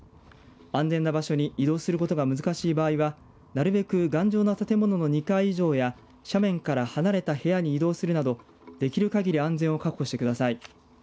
安全な場所に移動することが難しい場合はなるべく頑丈な建物の２階以上や斜面から離れた部屋に移動するなどできるかぎり安全を確保してください。